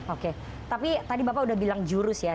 oke tapi tadi bapak udah bilang jurus ya